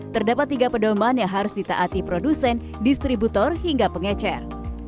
terdapat tiga pedoman yang harus ditaati produsen distributor hingga pengecer